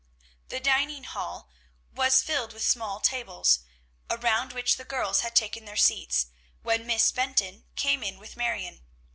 The dining hall was filled with small tables, around which the girls had taken their seats, when Miss Benton came in with Marion.